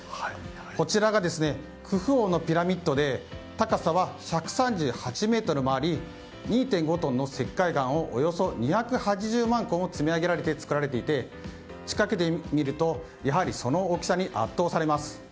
こちらが、クフ王のピラミッドで高さは１３８ｍもあり２．５トンの石灰岩をおよそ２８０万個積み上げられて作られていて近くで見ると、やはりその大きさに圧倒されます。